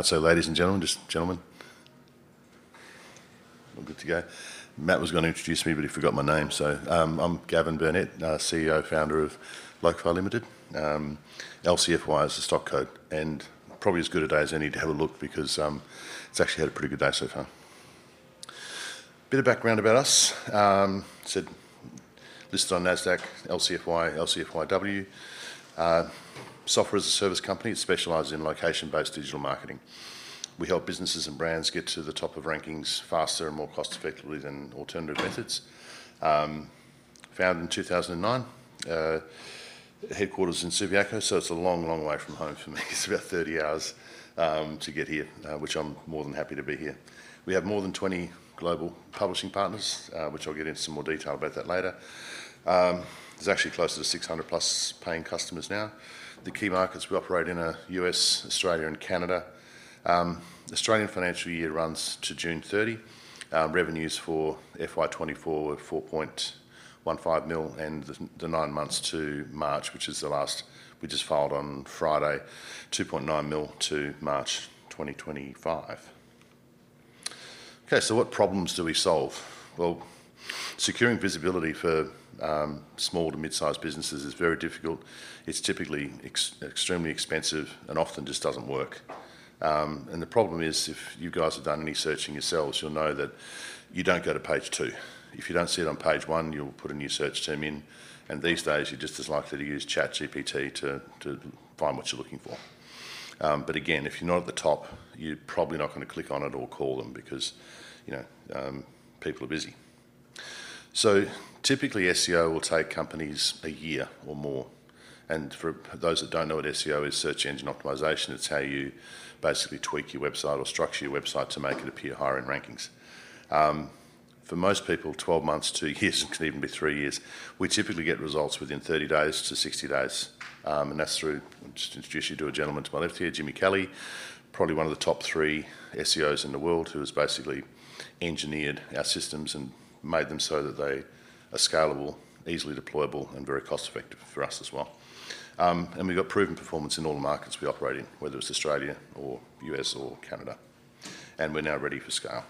Okay, ladies and gentlemen, just gentlemen. We're good to go. Matt was going to introduce me, but he forgot my name, so I'm Gavin Burnett, CEO and founder of Locafy Limited. LCFY is the stock code, and probably as good a day as any to have a look because it's actually had a pretty good day so far. Bit of background about us: listed on Nasdaq, LCFY, LCFYW. Software-as-a-service company specialized in location-based digital marketing. We help businesses and brands get to the top of rankings faster and more cost-effectively than alternative methods. Founded in 2009, headquarters in Subiaco, so it's a long, long way from home for me. It's about 30 hours to get here, which I'm more than happy to be here. We have more than 20 global publishing partners, which I'll get into some more detail about that later. There's actually close to 600-plus paying customers now. The key markets we operate in are U.S., Australia, and Canada. Australian financial year runs to June 30. Revenues for FY2024 were 4.15 million, and the nine months to March, which is the last we just filed on Friday, 2.9 million to March 2025. Okay, so what problems do we solve? Securing visibility for small to mid-sized businesses is very difficult. It's typically extremely expensive and often just doesn't work. The problem is, if you guys have done any searching yourselves, you'll know that you don't go to page two. If you don't see it on page one, you'll put a new search term in, and these days you're just as likely to use ChatGPT to find what you're looking for. But again, if you're not at the top, you're probably not going to click on it or call them because people are busy. So typically, SEO will take companies a year or more. And for those that don't know what SEO is, search engine optimization, it's how you basically tweak your website or structure your website to make it appear higher in rankings. For most people, 12 months to a year can even be three years. We typically get results within 30 days to 60 days, and that's through, I'll just introduce you to a gentleman to my left here, Jimmy Kelley, probably one of the top three SEOs in the world who has basically engineered our systems and made them so that they are scalable, easily deployable, and very cost-effective for us as well. We've got proven performance in all the markets we operate in, whether it's Australia or U.S. or Canada, and we're now ready for scale.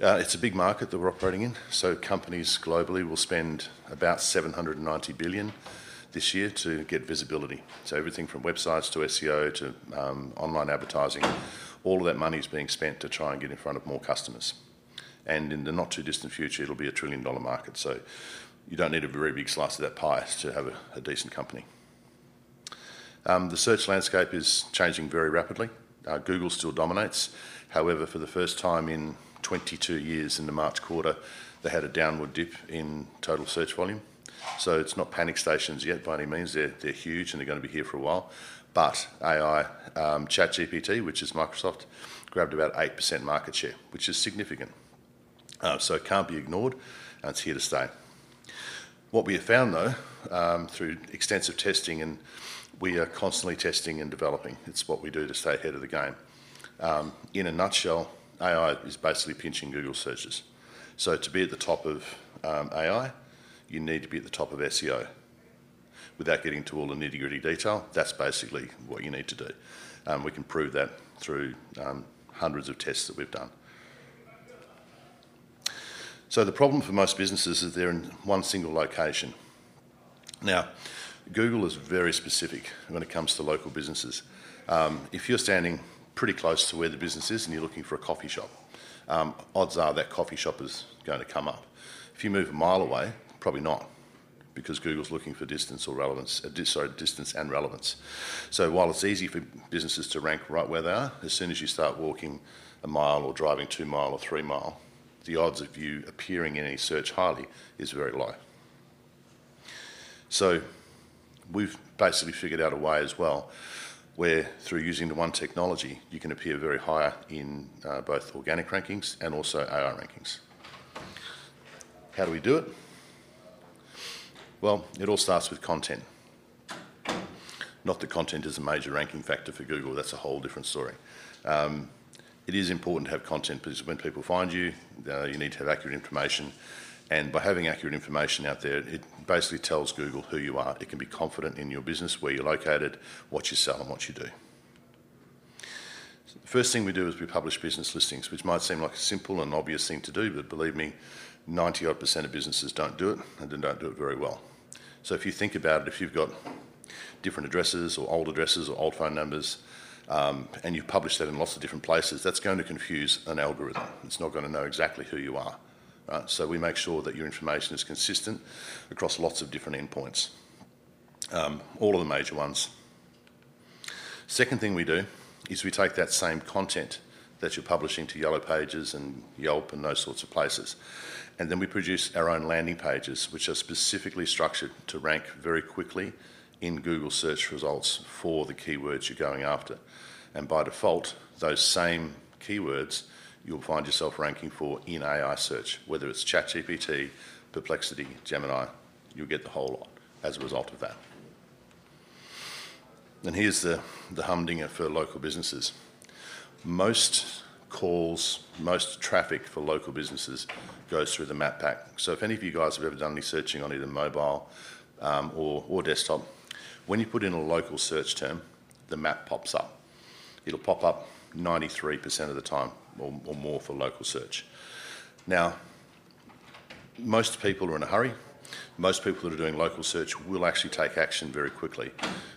It's a big market that we're operating in, so companies globally will spend about 790 billion this year to get visibility. So everything from websites to SEO to online advertising, all of that money is being spent to try and get in front of more customers. And in the not-too-distant future, it'll be a trillion-dollar market, so you don't need a very big slice of that pie to have a decent company. The search landscape is changing very rapidly. Google still dominates. However, for the first time in 22 years in the March quarter, they had a downward dip in total search volume. So it's not panic stations yet by any means. They're huge, and they're going to be here for a while. But AI, ChatGPT, which is Microsoft, grabbed about 8% market share, which is significant. So it can't be ignored, and it's here to stay. What we have found, though, through extensive testing, and we are constantly testing and developing, it's what we do to stay ahead of the game, in a nutshell, AI is basically pinching Google searches. So to be at the top of AI, you need to be at the top of SEO. Without getting into all the nitty-gritty detail, that's basically what you need to do. We can prove that through hundreds of tests that we've done. So the problem for most businesses is they're in one single location. Now, Google is very specific when it comes to local businesses. If you're standing pretty close to where the business is and you're looking for a coffee shop, odds are that coffee shop is going to come up. If you move a mile away, probably not, because Google's looking for distance or relevance, sorry, distance and relevance. So while it's easy for businesses to rank right where they are, as soon as you start walking a mile or driving two miles or three miles, the odds of you appearing in any search highly is very low. So we've basically figured out a way as well where, through using the one technology, you can appear very high in both organic rankings and also AI rankings. How do we do it? Well, it all starts with content. Not that content is a major ranking factor for Google, that's a whole different story. It is important to have content because when people find you, you need to have accurate information, and by having accurate information out there, it basically tells Google who you are. It can be confident in your business, where you're located, what you sell, and what you do. The first thing we do is we publish business listings, which might seem like a simple and obvious thing to do, but believe me, 90-odd% of businesses don't do it, and they don't do it very well. So if you think about it, if you've got different addresses or old addresses or old phone numbers and you've published that in lots of different places, that's going to confuse an algorithm. It's not going to know exactly who you are. So we make sure that your information is consistent across lots of different endpoints, all of the major ones. The second thing we do is we take that same content that you're publishing to Yellow Pages and Yelp and those sorts of places, and then we produce our own landing pages, which are specifically structured to rank very quickly in Google search results for the keywords you're going after. And by default, those same keywords you'll find yourself ranking for in AI search, whether it's ChatGPT, Perplexity, Gemini. You'll get the whole lot as a result of that. And here's the humdinger for local businesses. Most calls, most traffic for local businesses goes through the Map Pack. So if any of you guys have ever done any searching on either mobile or desktop, when you put in a local search term, the map pops up. It'll pop up 93% of the time or more for local search. Now, most people are in a hurry. Most people that are doing local search will actually take action very quickly.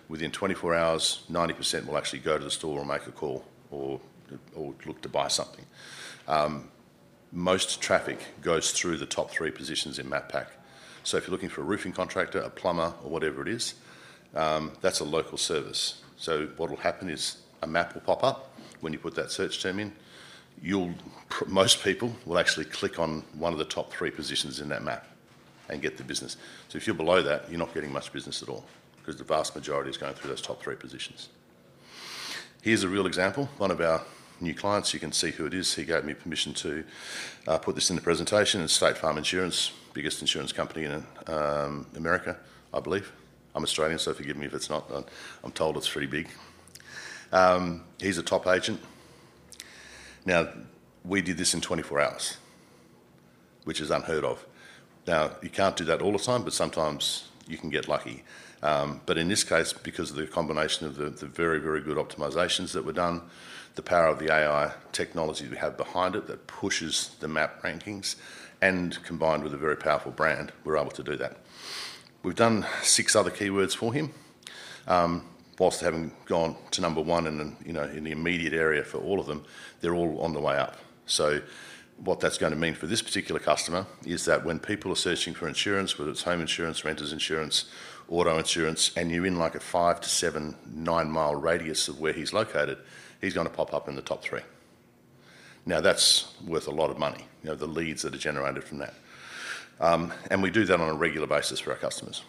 Within 24 hours, 90% will actually go to the store and make a call or look to buy something. Most traffic goes through the top three positions in Map Pack. So if you're looking for a roofing contractor, a plumber, or whatever it is, that's a local service. So what'll happen is a map will pop up when you put that search term in. Most people will actually click on one of the top three positions in that map and get the business. So if you're below that, you're not getting much business at all because the vast majority is going through those top three positions. Here's a real example. One of our new clients, you can see who it is. He gave me permission to put this in the presentation. It's State Farm Insurance, biggest insurance company in America, I believe. I'm Australian, so forgive me if it's not. I'm told it's pretty big. He's a top agent. Now, we did this in 24 hours, which is unheard of. Now, you can't do that all the time, but sometimes you can get lucky. But in this case, because of the combination of the very, very good optimizations that were done, the power of the AI technology we have behind it that pushes the map rankings, and combined with a very powerful brand, we're able to do that. We've done six other keywords for him. Whilst having gone to number one in the immediate area for all of them, they're all on the way up. So what that's going to mean for this particular customer is that when people are searching for insurance, whether it's home insurance, renters insurance, auto insurance, and you're in like a five to seven, nine-mile radius of where he's located, he's going to pop up in the top three. Now, that's worth a lot of money, the leads that are generated from that. And we do that on a regular basis for our customers.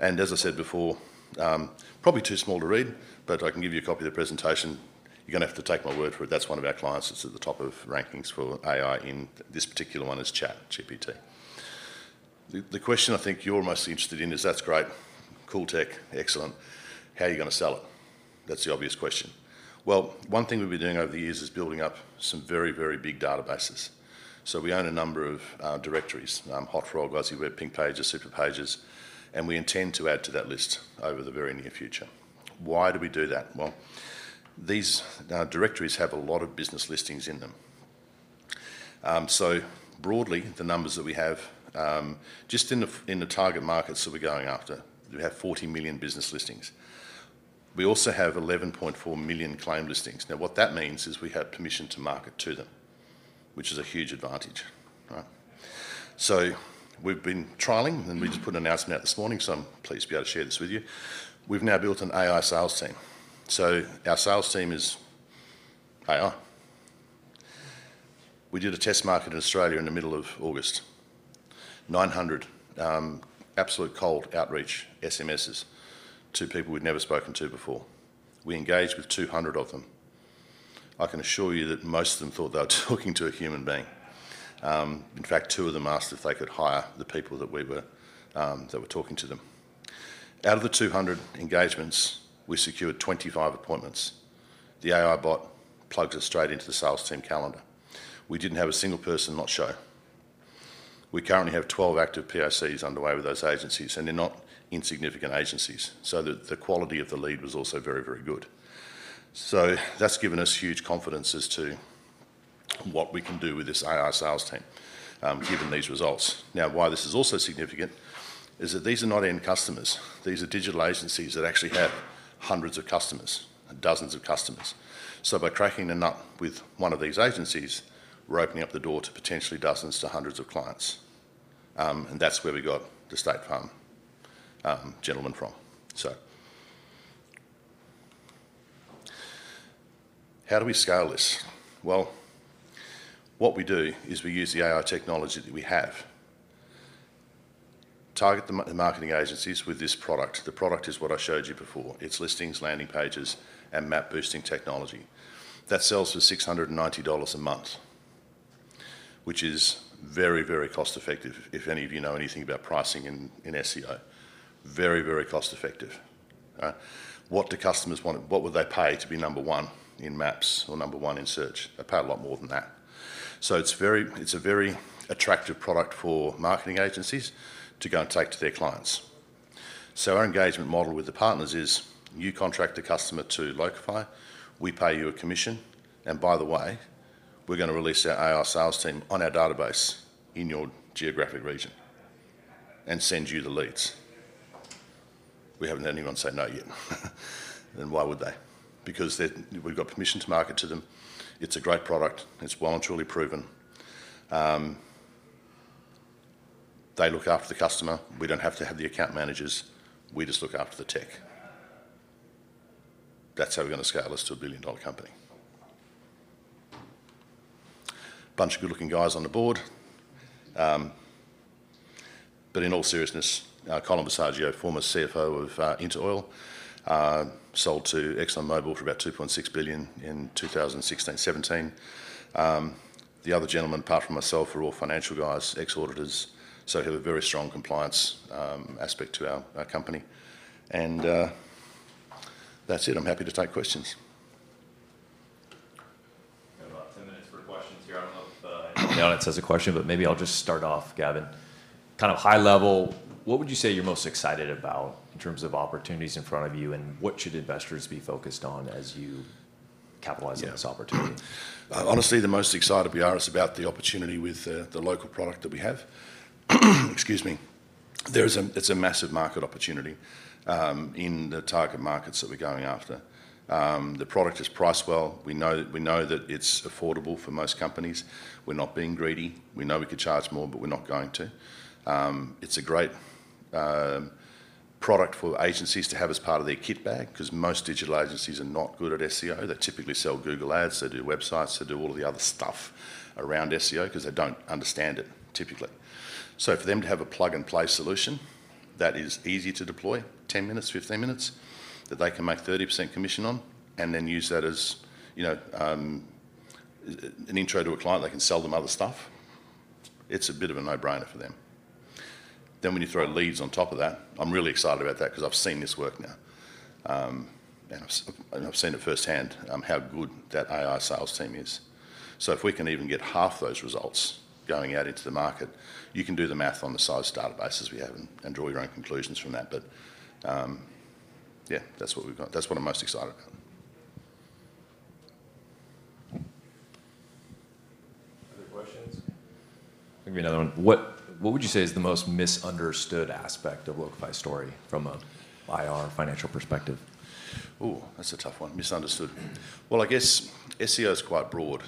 And as I said before, probably too small to read, but I can give you a copy of the presentation. You're going to have to take my word for it. That's one of our clients that's at the top of rankings for AI. This particular one is ChatGPT. The question I think you're most interested in is, "That's great. Cool tech. Excellent. How are you going to sell it?" That's the obvious question. One thing we've been doing over the years is building up some very, very big databases. We own a number of directories: Hotfrog, AussieWeb, Pink Pages, Superpages, and we intend to add to that list over the very near future. Why do we do that? These directories have a lot of business listings in them. Broadly, the numbers that we have, just in the target markets that we're going after, we have 40 million business listings. We also have 11.4 million claimed listings. Now, what that means is we have permission to market to them, which is a huge advantage. We've been trialing, and we just put an announcement out this morning, so I'm pleased to be able to share this with you. We've now built an AI sales team. Our sales team is AI. We did a test market in Australia in the middle of August, 900 absolute cold outreach SMSs to people we'd never spoken to before. We engaged with 200 of them. I can assure you that most of them thought they were talking to a human being. In fact, two of them asked if they could hire the people that were talking to them. Out of the 200 engagements, we secured 25 appointments. The AI bot plugs it straight into the sales team calendar. We didn't have a single person not show. We currently have 12 active POCs underway with those agencies, and they're not insignificant agencies. So the quality of the lead was also very, very good. So that's given us huge confidence as to what we can do with this AI sales team given these results. Now, why this is also significant is that these are not end customers. These are digital agencies that actually have hundreds of customers and dozens of customers, so by cracking a nut with one of these agencies, we're opening up the door to potentially dozens to hundreds of clients, and that's where we got the State Farm gentleman from, so how do we scale this? What we do is we use the AI technology that we have, target the marketing agencies with this product. The product is what I showed you before. It's listings, landing pages, and map-boosting technology. That sells for $690 a month, which is very, very cost-effective if any of you know anything about pricing in SEO. Very, very cost-effective. What do customers want? What would they pay to be number one in maps or number one in search? They pay a lot more than that. It's a very attractive product for marketing agencies to go and take to their clients. Our engagement model with the partners is you contract a customer to Locafy. We pay you a commission. And by the way, we're going to release our AI sales team on our database in your geographic region and send you the leads. We haven't had anyone say no yet. And why would they? Because we've got permission to market to them. It's a great product. It's well and truly proven. They look after the customer. We don't have to have the account managers. We just look after the tech. That's how we're going to scale this to a billion-dollar company. Bunch of good-looking guys on the board. But in all seriousness, Collin Visaggio, former CFO of InterOil, sold to Exxon Mobil for about $2.6 billion in 2016, 2017. The other gentleman, apart from myself, are all financial guys, ex-auditors. So we have a very strong compliance aspect to our company. And that's it. I'm happy to take questions. We have about 10 minutes for questions here. I don't know if the audience has a question, but maybe I'll just start off, Gavin. Kind of high level, what would you say you're most excited about in terms of opportunities in front of you, and what should investors be focused on as you capitalize on this opportunity? Honestly, the most excited we are is about the opportunity with the local product that we have. Excuse me. It's a massive market opportunity in the target markets that we're going after. The product is priced well. We know that it's affordable for most companies. We're not being greedy. We know we could charge more, but we're not going to. It's a great product for agencies to have as part of their kit bag because most digital agencies are not good at SEO. They typically sell Google Ads. They do websites. They do all of the other stuff around SEO because they don't understand it, typically. So for them to have a plug-and-play solution that is easy to deploy, 10 minutes, 15 minutes, that they can make 30% commission on and then use that as an intro to a client, they can sell them other stuff, it's a bit of a no-brainer for them. Then when you throw leads on top of that, I'm really excited about that because I've seen this work now. And I've seen it firsthand, how good that AI sales team is. So if we can even get half those results going out into the market, you can do the math on the size databases we have and draw your own conclusions from that. But yeah, that's what we've got. That's what I'm most excited about. Other questions? I think we have another one. What would you say is the most misunderstood aspect of Locafy's story from an IR financial perspective? Ooh, that's a tough one. Misunderstood. Well, I guess SEO is quite broad.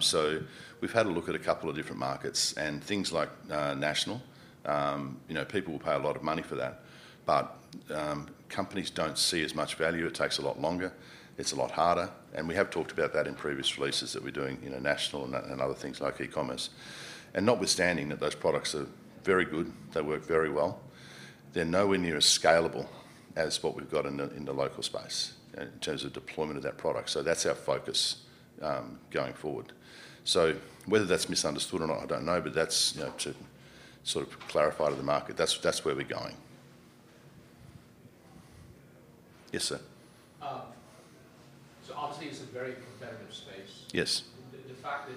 So we've had a look at a couple of different markets and things like national. People will pay a lot of money for that. But companies don't see as much value. It takes a lot longer. It's a lot harder. And we have talked about that in previous releases that we're doing national and other things like e-commerce. And notwithstanding that those products are very good, they work very well, they're nowhere near as scalable as what we've got in the local space in terms of deployment of that product. So that's our focus going forward. So whether that's misunderstood or not, I don't know, but that's to sort of clarify to the market. That's where we're going. Yes, sir. So obviously, it's a very competitive space. Yes. The fact that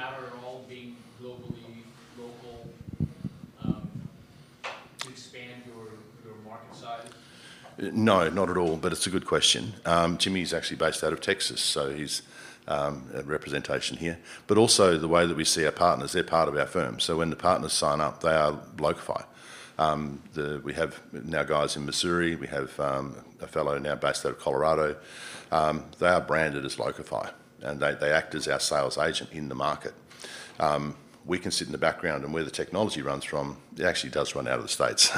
you're based in Australia, does it matter at all being globally local to expand your market size? No, not at all. But it's a good question. Jimmy is actually based out of Texas, so he's a representation here. But also the way that we see our partners, they're part of our firm. So when the partners sign up, they are Locafy. We have now guys in Missouri. We have a fellow now based out of Colorado. They are branded as Locafy, and they act as our sales agent in the market. We can sit in the background. And where the technology runs from, it actually does run out of the States.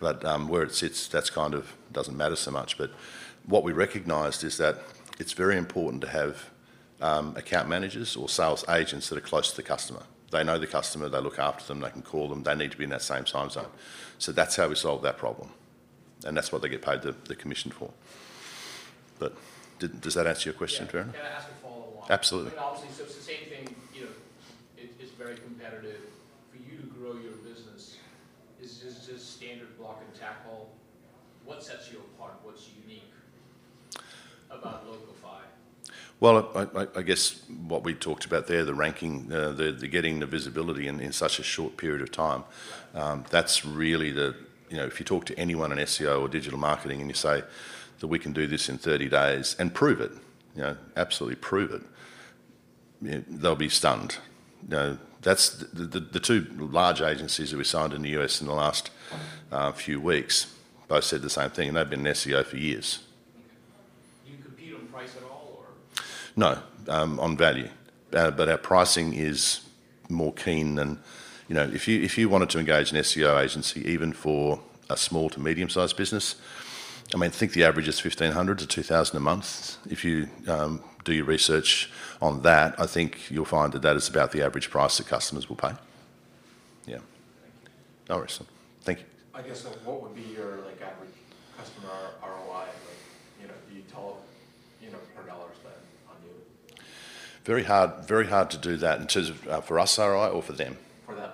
But where it sits, that kind of doesn't matter so much. But what we recognized is that it's very important to have account managers or sales agents that are close to the customer. They know the customer. They look after them. They can call them. They need to be in that same time zone. So that's how we solved that problem. And that's what they get paid the commission for. But does that answer your question, Vernon? I've got to ask a follow-up. Absolutely. Obviously, so it's the same thing. It's very competitive. For you to grow your business, is this standard block and tackle what sets you apart? What's unique about Locafy? I guess what we talked about there, the ranking, the getting the visibility in such a short period of time, that's really the if you talk to anyone in SEO or digital marketing and you say that we can do this in 30 days and prove it, absolutely prove it, they'll be stunned. The two large agencies that we signed in the U.S. in the last few weeks both said the same thing, and they've been in SEO for years. Do you compete on price at all, or? No, on value. But our pricing is more keen than if you wanted to engage an SEO agency, even for a small to medium-sized business, I mean, think the average is $1,500-$2,000 a month. If you do your research on that, I think you'll find that that is about the average price that customers will pay. Yeah. Thank you. No worries. Thank you. I guess what would be your average customer ROI? Do you tell them per dollar spent on you? Very hard to do that in terms of for us ROI or for them? For them.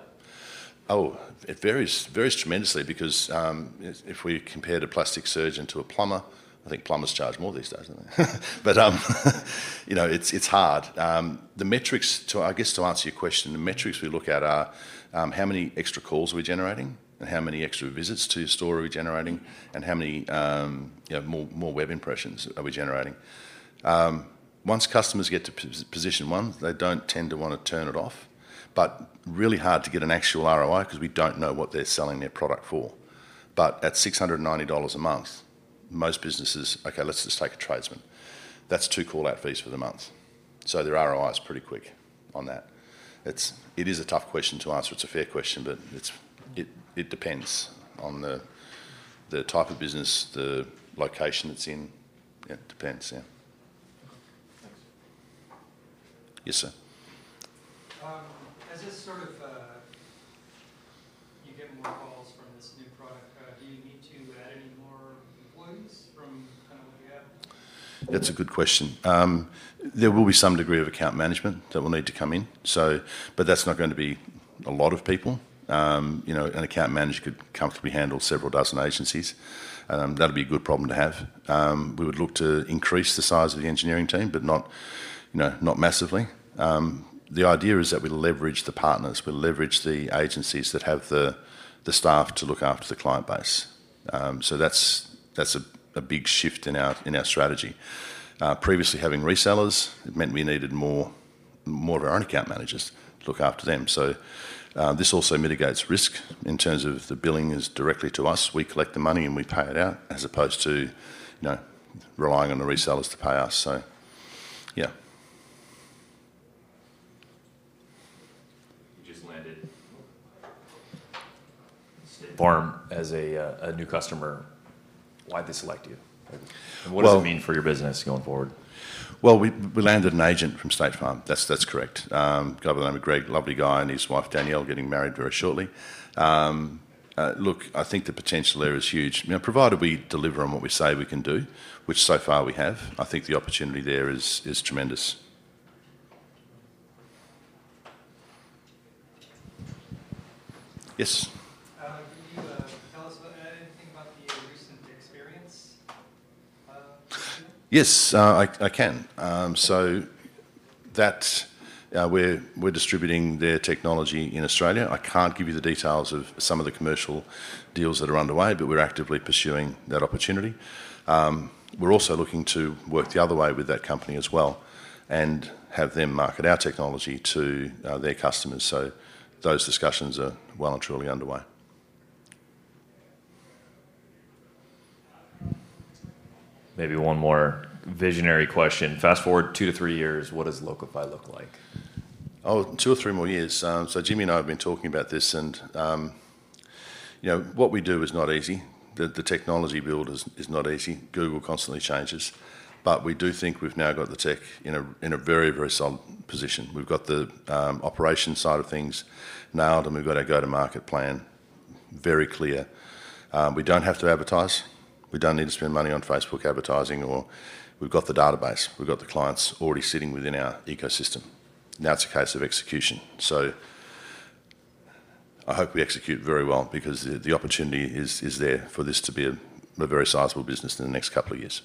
Oh, it varies tremendously because if we compare the plastic surgeon to a plumber, I think plumbers charge more these days, don't they? But it's hard. I guess to answer your question, the metrics we look at are how many extra calls are we generating, and how many extra visits to your store are we generating, and how many more web impressions are we generating. Once customers get to position one, they don't tend to want to turn it off. But really hard to get an actual ROI because we don't know what they're selling their product for. But at $690 a month, most businesses, "Okay, let's just take a tradesman." That's two callout fees for the month. So their ROI is pretty quick on that. It is a tough question to answer. It's a fair question, but it depends on the type of business, the location it's in. It depends, yeah. Thanks. Yes, sir. As this sort of you get more calls from this new product, do you need to add any more employees from kind of what you have? That's a good question. There will be some degree of account management that will need to come in. But that's not going to be a lot of people. An account manager could comfortably handle several dozen agencies. That'll be a good problem to have. We would look to increase the size of the engineering team, but not massively. The idea is that we leverage the partners. We leverage the agencies that have the staff to look after the client base. So that's a big shift in our strategy. Previously, having resellers, it meant we needed more of our own account managers to look after them. So this also mitigates risk in terms of the billing is directly to us. We collect the money, and we pay it out as opposed to relying on the resellers to pay us. So yeah. You just landed. As a new customer, why did they select you? What does it mean for your business going forward? We landed an agent from State Farm. That's correct. A guy by the name of Greg, lovely guy, and his wife, Danielle, getting married very shortly. Look, I think the potential there is huge. Provided we deliver on what we say we can do, which so far we have, I think the opportunity there is tremendous. Yes. Can you tell us anything about the recent experience? Yes, I can. So we're distributing their technology in Australia. I can't give you the details of some of the commercial deals that are underway, but we're actively pursuing that opportunity. We're also looking to work the other way with that company as well and have them market our technology to their customers. So those discussions are well and truly underway. Maybe one more visionary question. Fast forward two to three years, what does Locafy look like? Oh, two or three more years. So Jimmy and I have been talking about this. And what we do is not easy. The technology build is not easy. Google constantly changes. But we do think we've now got the tech in a very, very solid position. We've got the operation side of things nailed, and we've got our go-to-market plan very clear. We don't have to advertise. We don't need to spend money on Facebook advertising. We've got the database. We've got the clients already sitting within our ecosystem. Now it's a case of execution. So I hope we execute very well because the opportunity is there for this to be a very sizable business in the next couple of years.